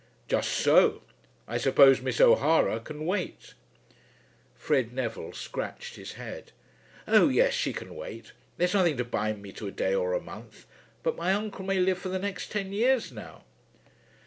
"Just so. I suppose Miss O'Hara can wait." Fred Neville scratched his head. "Oh yes; she can wait. There's nothing to bind me to a day or a month. But my uncle may live for the next ten years now."